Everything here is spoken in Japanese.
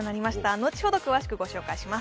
後ほど詳しくご紹介します。